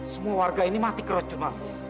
semua warga ini mati keracunan